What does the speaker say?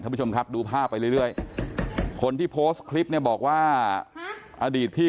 ผู้ชมครับดูภาพไปเรื่อยคนที่โพสต์คลิปเนี่ยบอกว่าอดีตพี่